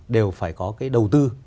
đều phải có cái đầu tư